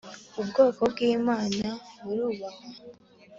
Ubwoko bwimana burubahwa